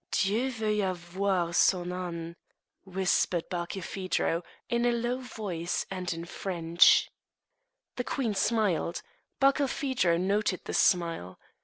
"Dieu veuille avoir son âne!" whispered Barkilphedro, in a low voice, and in French. The queen smiled. Barkilphedro noted the smile.